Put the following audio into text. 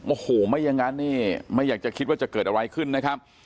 โอ้โหไม่อย่างนั้นนี่ไม่อยากจะคิดว่าจะเกิดอะไรขึ้นนะครับ